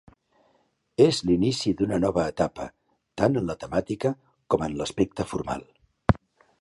És l'inici d'una nova etapa, tant en la temàtica com en l'aspecte formal.